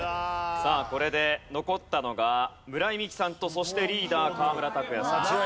さあこれで残ったのが村井美樹さんとそしてリーダー河村拓哉さん。